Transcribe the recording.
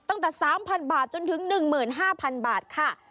ตั้งแต่๓๐๐บาทจนถึง๑๕๐๐๐บาทค่ะ